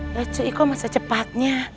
ya cik iko masa cepatnya